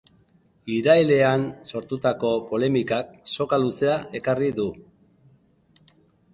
Irailean sortutako polemikak soka luzea ekarri du.